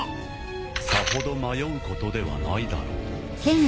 さほど迷うことではないだろう。